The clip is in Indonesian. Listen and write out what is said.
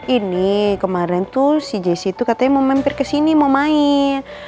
ini kemarin tuh si jessy katanya mau mampir kesini mau main